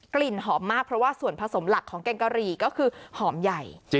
กลิ่นหอมมากเพราะว่าส่วนผสมหลักของแกงกะหรี่ก็คือหอมใหญ่